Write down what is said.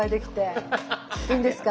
いいんですか？